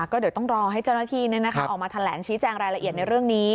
ก็เดี๋ยวต้องรอให้เจ้าหน้าที่ออกมาแถลงชี้แจงรายละเอียดในเรื่องนี้